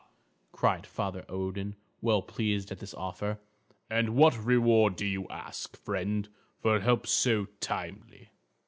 cried Father Odin, well pleased at this offer. "And what reward do you ask, friend, for help so timely?"